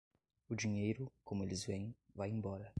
O dinheiro, como eles vêm, vai embora.